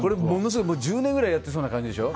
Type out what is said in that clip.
１０年ぐらいやってそうな感じでしょ？